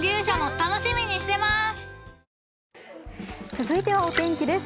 続いてはお天気です。